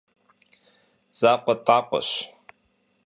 ЗакъуэтӀакъуэщ…